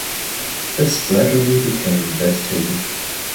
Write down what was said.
This gradually became vegetated.